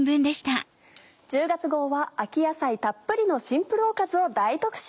１０月号は秋野菜たっぷりのシンプルおかずを大特集。